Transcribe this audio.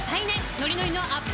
ノリノリのアップ